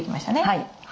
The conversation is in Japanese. はい。